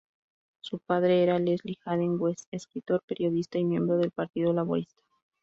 Su padre era Leslie Haden-Guest, escritor, periodista y miembro del Partido Laborista.